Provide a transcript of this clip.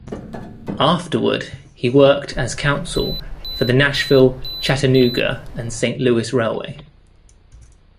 Afterward, he worked as counsel for the Nashville, Chattanooga and Saint Louis Railway.